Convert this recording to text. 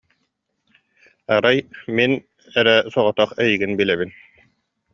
Арай мин эрэ соҕотох эйигин билэбин